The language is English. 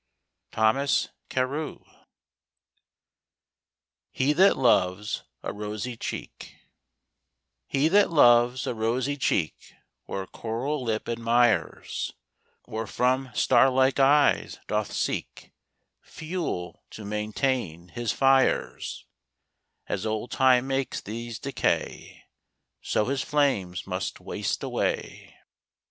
Thomas Carew. HE THAT LOVES A ROSY CHEEK He that loves a rosy cheek, Or a coral lip admires, Or from star like eyes doth seek Fuel to maintain his fires; As old Time makes these decay, So his flames must waste away.